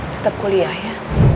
tetap kuliah ya